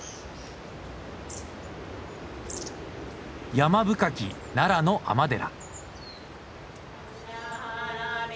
山深き奈良の尼寺。